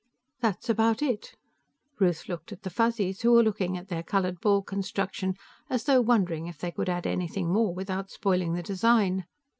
"That's about it." Ruth looked at the Fuzzies, who were looking at their colored ball construction as though wondering if they could add anything more without spoiling the design.